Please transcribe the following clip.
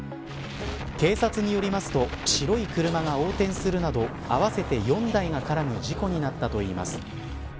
警察によりますと白い車が横転するなど合わせて４台が絡む事故になったといいます。